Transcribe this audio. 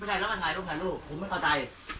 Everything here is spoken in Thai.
ไม่ใช่เรามาถ่ายลูกถ่ายลูกผมไม่เข้าใจ